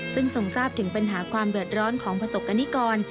ซึ่งทรงทราบถึงปัญหาความเดือดร้อนของประสบกรณิกร